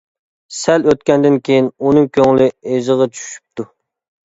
سەل ئۆتكەندىن كىيىن ئۇنىڭ كۆڭلى ئىزىغا چۈشۈپتۇ.